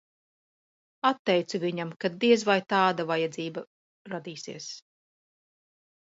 Atteicu viņam, ka diez vai tāda vajadzība radīsies.